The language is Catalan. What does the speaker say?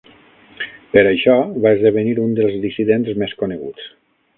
Per això va esdevenir un dels dissidents més coneguts.